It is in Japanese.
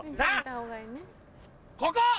ここ！